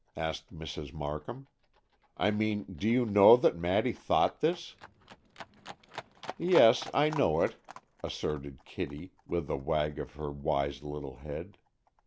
asked Mrs. Markham; "I mean, do you know that Maddy thought this?" "Yes, I know it," asserted Kitty, with a wag of her wise little head.